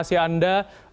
terima kasih anda